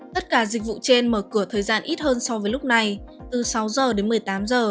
tất cả dịch vụ trên mở cửa thời gian ít hơn so với lúc này từ sáu giờ đến một mươi tám giờ